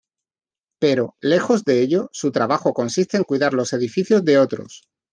Pero, lejos de ello, su trabajo consiste en cuidar los edificios de otros.